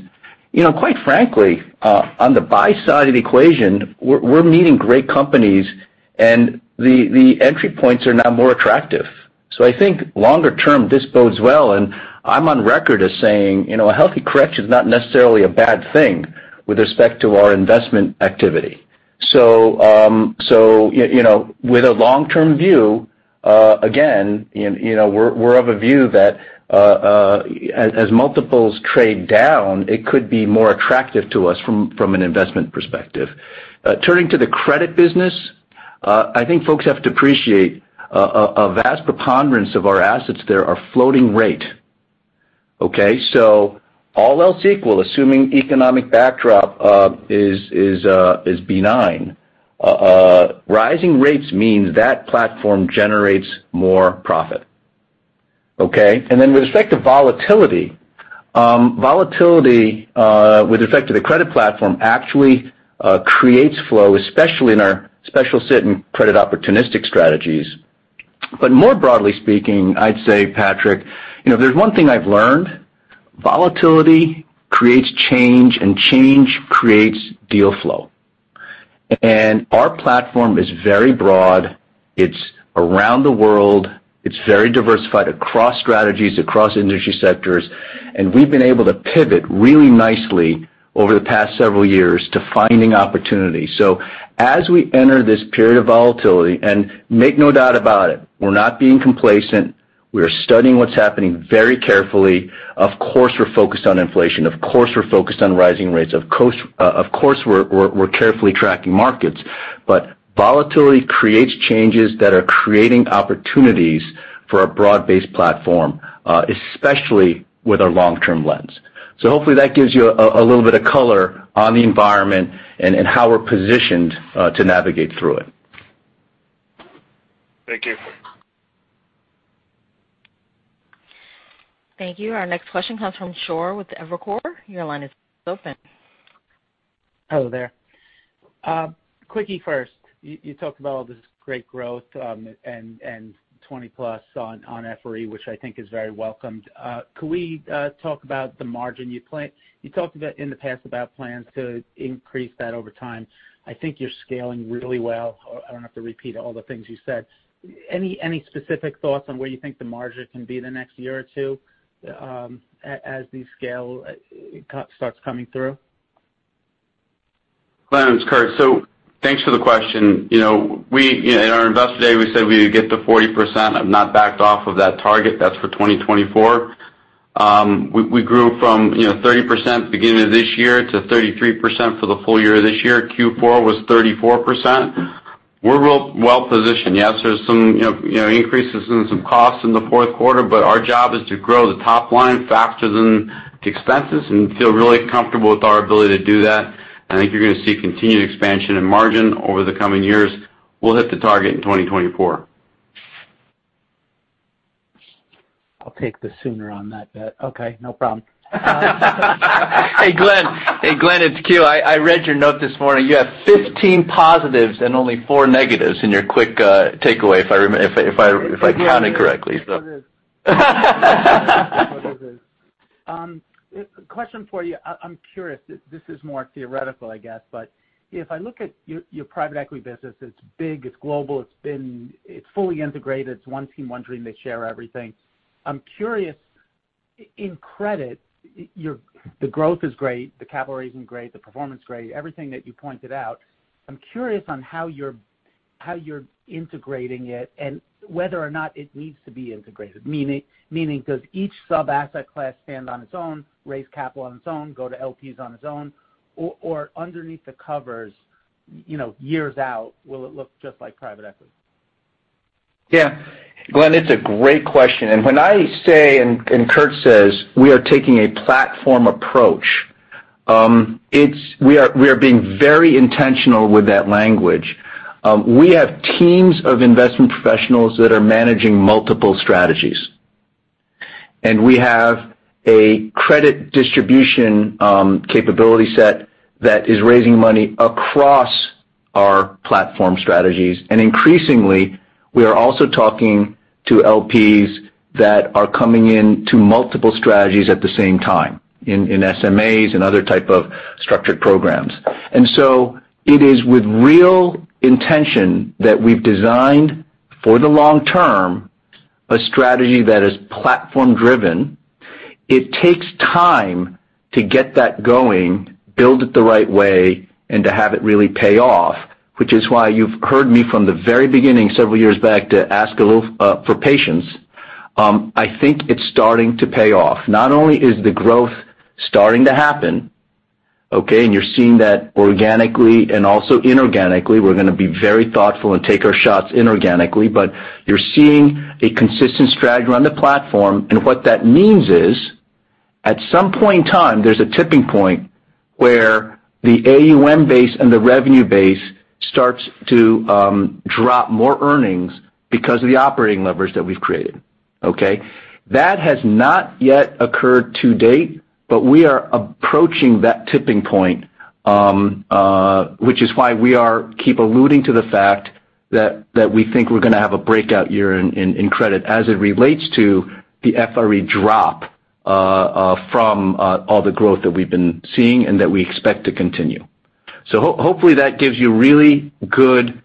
you know, quite frankly, on the buy side of the equation, we're meeting great companies, and the entry points are now more attractive. I think longer term, this bodes well, and I'm on record as saying, you know, a healthy correction is not necessarily a bad thing with respect to our investment activity. You know, with a long-term view, again, you know, we're of a view that as multiples trade down, it could be more attractive to us from an investment perspective. Turning to the credit business, I think folks have to appreciate a vast preponderance of our assets there are floating rate, okay? All else equal, assuming economic backdrop is benign, rising rates means that platform generates more profit, okay? Then with respect to volatility with respect to the credit platform actually creates flow, especially in our special situations and credit opportunistic strategies. More broadly speaking, I'd say, Patrick, you know, if there's one thing I've learned, volatility creates change, and change creates deal flow. Our platform is very broad. It's around the world. It's very diversified across strategies, across industry sectors, and we've been able to pivot really nicely over the past several years to finding opportunities. As we enter this period of volatility, and make no doubt about it, we're not being complacent, we are studying what's happening very carefully. Of course, we're focused on inflation. Of course, we're focused on rising rates. Of course, of course, we're carefully tracking markets. Volatility creates changes that are creating opportunities for our broad-based platform, especially with our long-term lens. Hopefully that gives you a little bit of color on the environment and how we're positioned to navigate through it. Thank you. Thank you. Our next question comes from Glenn Schorr with Evercore. Your line is open. Hello there. Quickie first. You talked about all this great growth and 20+ on FRE, which I think is very welcome. Could we talk about the margin? You talked about in the past about plans to increase that over time. I think you're scaling really well. I don't have to repeat all the things you said. Any specific thoughts on where you think the margin can be the next year or two, as the scale starts coming through? Glenn, it's Curt. Thanks for the question. You know, in our Investor Day, we said we would get to 40%. I've not backed off of that target. That's for 2024. We grew from you know, 30% beginning of this year to 33% for the full year this year. Q4 was 34%. We're real well positioned. Yes, there's some increases in some costs in the fourth quarter, but our job is to grow the top line faster than the expenses and feel really comfortable with our ability to do that. I think you're gonna see continued expansion in margin over the coming years. We'll hit the target in 2024. I'll take the sooner on that bet. Okay, no problem. Hey, Glenn. Hey, Glenn, it's Q. I read your note this morning. You have 15 positives and only four negatives in your quick takeaway, if I count it correctly. It is. Question for you. I'm curious. This is more theoretical, I guess. If I look at your private equity business, it's big, it's global, it's been. It's fully integrated. It's one team, one dream. They share everything. I'm curious. In credit, your growth is great, the capital raising great, the performance great, everything that you pointed out. I'm curious on how you're integrating it and whether or not it needs to be integrated. Meaning, does each sub-asset class stand on its own, raise capital on its own, go to LPs on its own? Or underneath the covers, you know, years out, will it look just like private equity? Yeah. Glenn, it's a great question. When I say and Curtis says we are taking a platform approach, it's we are being very intentional with that language. We have teams of investment professionals that are managing multiple strategies. We have a credit distribution capability set that is raising money across our platform strategies. Increasingly, we are also talking to LPs that are coming in to multiple strategies at the same time, in SMAs and other type of structured programs. It is with real intention that we've designed for the long term a strategy that is platform-driven. It takes time to get that going, build it the right way, and to have it really pay off, which is why you've heard me from the very beginning, several years back, to ask a little for patience. I think it's starting to pay off. Not only is the growth starting to happen, okay, and you're seeing that organically and also inorganically. We're gonna be very thoughtful and take our shots inorganically. You're seeing a consistent strategy around the platform, and what that means is, at some point in time, there's a tipping point where the AUM base and the revenue base starts to drop more earnings because of the operating leverage that we've created, okay? That has not yet occurred to date, but we are approaching that tipping point, which is why we keep alluding to the fact that we think we're gonna have a breakout year in credit as it relates to the FRE drop from all the growth that we've been seeing and that we expect to continue. Hopefully, that gives you really good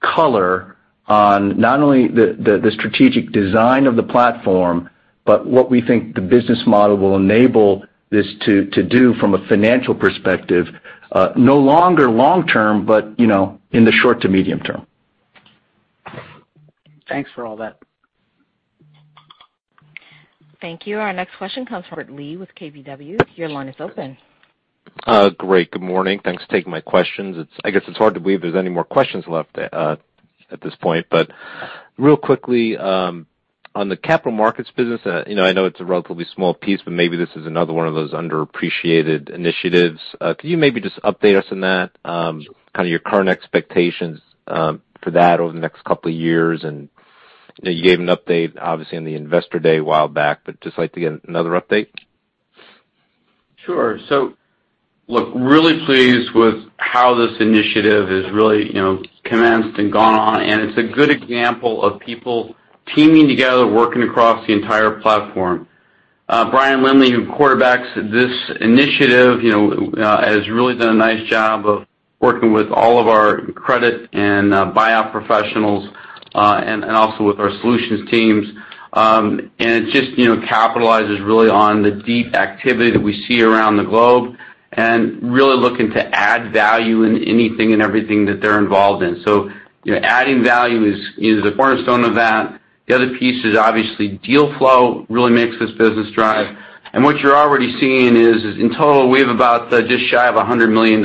color on not only the strategic design of the platform, but what we think the business model will enable this to do from a financial perspective, not only long term, but you know, in the short to medium term. Thanks for all that. Thank you. Our next question comes from Robert Lee with KBW. Your line is open. Great. Good morning. Thanks for taking my questions. I guess it's hard to believe there's any more questions left at this point. But real quickly, on the capital markets business, you know, I know it's a relatively small piece, but maybe this is another one of those underappreciated initiatives. Can you maybe just update us on that, kind of your current expectations for that over the next couple of years? You know, you gave an update, obviously, on the Investor Day a while back, but just like to get another update. Sure. Look, really pleased with how this initiative has really, you know, commenced and gone on, and it's a good example of people teaming together, working across the entire platform. Brian Lindley, who quarterbacks this initiative, you know, has really done a nice job of working with all of our credit and buyout professionals, and also with our solutions teams. It just, you know, capitalizes really on the deep activity that we see around the globe and really looking to add value in anything and everything that they're involved in. You know, adding value is the cornerstone of that. The other piece is obviously deal flow really makes this business drive. What you're already seeing is in total, we have about just shy of $100 million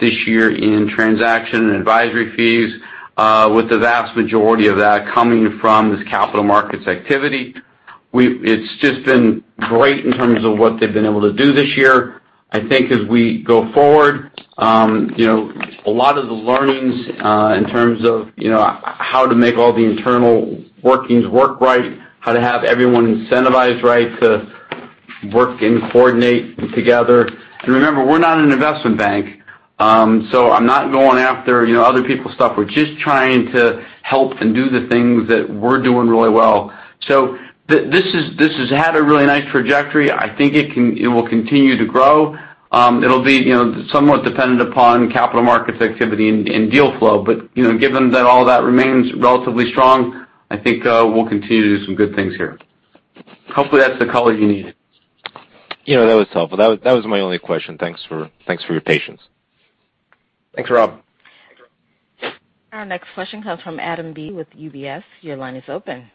this year in transaction and advisory fees, with the vast majority of that coming from this capital markets activity. It's just been great in terms of what they've been able to do this year. I think as we go forward, you know, a lot of the learnings in terms of, you know, how to make all the internal workings work right, how to have everyone incentivized right to work and coordinate together. Remember, we're not an investment bank, so I'm not going after, you know, other people's stuff. We're just trying to help and do the things that we're doing really well. This has had a really nice trajectory. I think it will continue to grow. It'll be, you know, somewhat dependent upon capital markets activity and deal flow. You know, given that all that remains relatively strong, I think, we'll continue to do some good things here. Hopefully, that's the color you needed. You know, that was helpful. That was my only question. Thanks for your patience. Thanks, Rob. Our next question comes from Adam Beatty with UBS. Your line is open.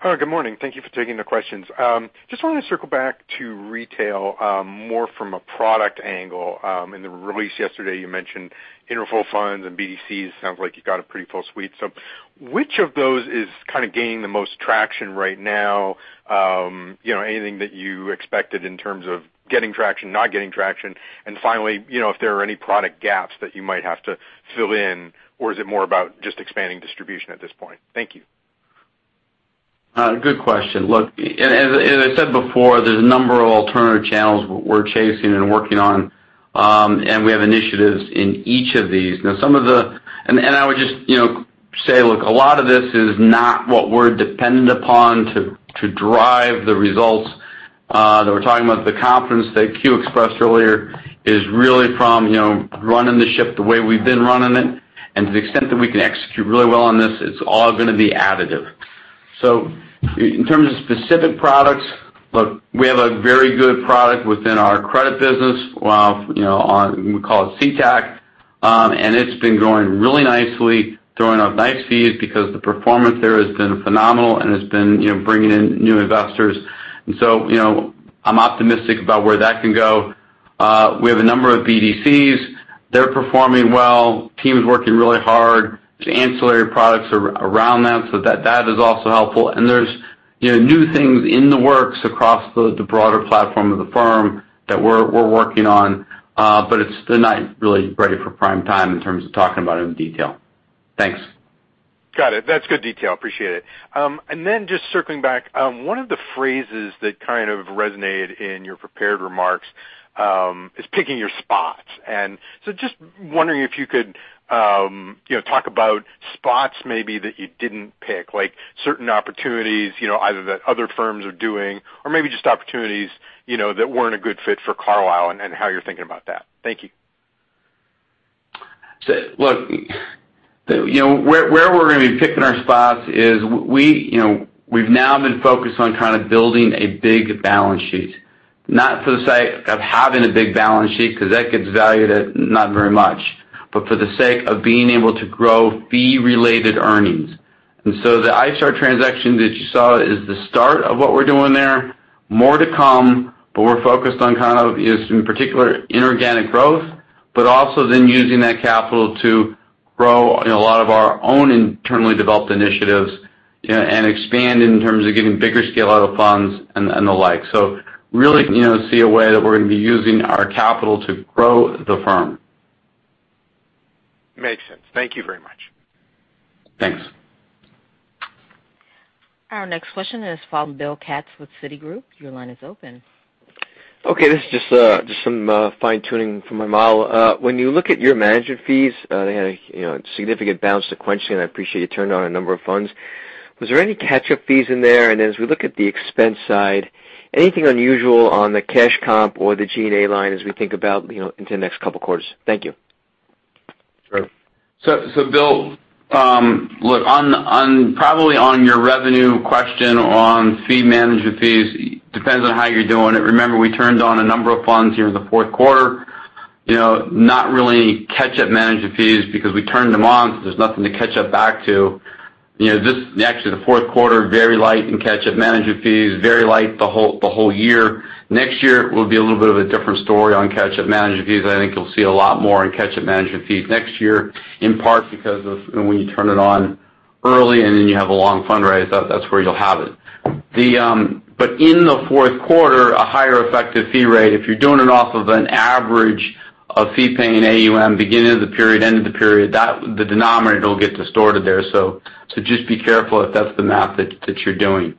Hi, good morning. Thank you for taking the questions. Just wanted to circle back to retail, more from a product angle. In the release yesterday, you mentioned interval funds and BDCs. Sounds like you got a pretty full suite. Which of those is kind of gaining the most traction right now? You know, anything that you expected in terms of getting traction, not getting traction? Finally, you know, if there are any product gaps that you might have to fill in, or is it more about just expanding distribution at this point? Thank you. Good question. Look, as I said before, there's a number of alternative channels we're chasing and working on, and we have initiatives in each of these. I would just, you know, say, look, a lot of this is not what we're dependent upon to drive the results that we're talking about. The confidence that Q expressed earlier is really from, you know, running the ship the way we've been running it. To the extent that we can execute really well on this, it's all gonna be additive. In terms of specific products, look, we have a very good product within our credit business. Well, you know, we call it CTAC. It's been growing really nicely, throwing off nice fees because the performance there has been phenomenal and has been, you know, bringing in new investors. You know, I'm optimistic about where that can go. We have a number of BDCs. They're performing well. Team's working really hard. There's ancillary products around that, so that is also helpful. There's, you know, new things in the works across the broader platform of the firm that we're working on. It's not really ready for prime time in terms of talking about it in detail. Thanks. Got it. That's good detail. Appreciate it. Just circling back, one of the phrases that kind of resonated in your prepared remarks is picking your spots. Just wondering if you could, you know, talk about spots maybe that you didn't pick, like certain opportunities, you know, either that other firms are doing or maybe just opportunities, you know, that weren't a good fit for Carlyle and how you're thinking about that. Thank you. Look, you know, where we're gonna be picking our spots is we, you know, we've now been focused on kind of building a big balance sheet, not for the sake of having a big balance sheet 'cause that gets valued at not very much, but for the sake of being able to grow fee-related earnings. The iStar transaction that you saw is the start of what we're doing there. More to come, but we're focused on kind of in particular inorganic growth, but also then using that capital to grow, you know, a lot of our own internally developed initiatives, you know, and expand in terms of getting bigger scale out of funds and the like. Really, you know, we see a way that we're gonna be using our capital to grow the firm. Makes sense. Thank you very much. Thanks. Our next question is from Bill Katz with Citigroup. Your line is open. Okay, this is just some fine-tuning for my model. When you look at your management fees, they had a, you know, significant bounce sequentially, and I appreciate you turned on a number of funds. Was there any catch-up fees in there? As we look at the expense side, anything unusual on the cash comp or the G&A line as we think about, you know, into the next couple quarters? Thank you. Sure. Bill, look, on your revenue question on fee management fees, depends on how you're doing it. Remember we turned on a number of funds here in the fourth quarter. You know, not really catch-up management fees because we turned them on, so there's nothing to catch up back to. You know, actually the fourth quarter, very light in catch-up management fees, very light the whole year. Next year will be a little bit of a different story on catch-up management fees. I think you'll see a lot more in catch-up management fees next year, in part because of when you turn it on early and then you have a long fundraise, that's where you'll have it. The In the fourth quarter, a higher effective fee rate, if you're doing it off of an average of fee paying AUM beginning of the period, end of the period, the denominator will get distorted there. So just be careful if that's the math that you're doing.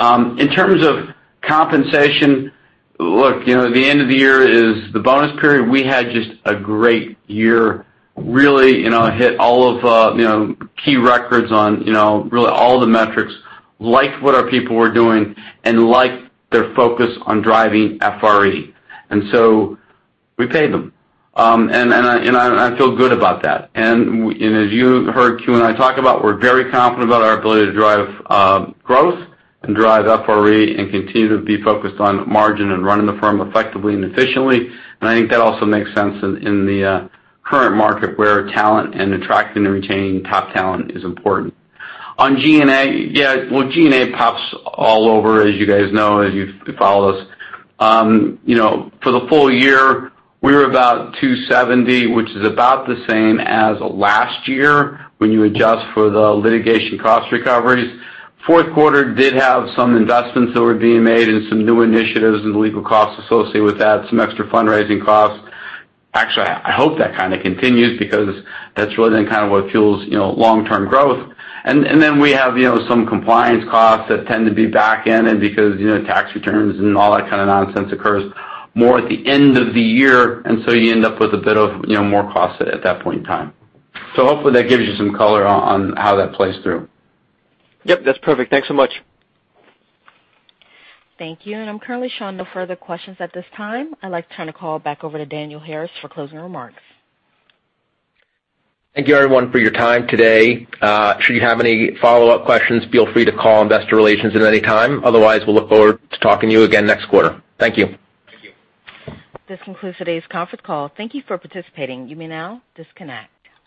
In terms of compensation, look, you know, the end of the year is the bonus period. We had just a great year, really, you know, hit all of, you know, key records on, you know, really all the metrics, liked what our people were doing and liked their focus on driving FRE. We paid them. I feel good about that. As you heard Q and I talk about, we're very confident about our ability to drive growth and drive FRE and continue to be focused on margin and running the firm effectively and efficiently. I think that also makes sense in the current market where talent and attracting and retaining top talent is important. On G&A, yeah, well, G&A pops all over, as you guys know, as you follow this. You know, for the full year, we were about $270 million, which is about the same as last year when you adjust for the litigation cost recoveries. Fourth quarter did have some investments that were being made and some new initiatives and the legal costs associated with that, some extra fundraising costs. Actually, I hope that kinda continues because that's really then kind of what fuels long-term growth. We have, you know, some compliance costs that tend to be backended because, you know, tax returns and all that kind of nonsense occurs more at the end of the year, and so you end up with a bit of, you know, more costs at that point in time. Hopefully that gives you some color on how that plays through. Yep, that's perfect. Thanks so much. Thank you. I'm currently showing no further questions at this time. I'd like to turn the call back over to Daniel Harris for closing remarks. Thank you everyone for your time today. Should you have any follow-up questions, feel free to call investor relations at any time. Otherwise, we'll look forward to talking to you again next quarter. Thank you. This concludes today's conference call. Thank you for participating. You may now disconnect.